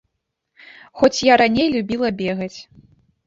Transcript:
Хоць я раней любіла бегаць.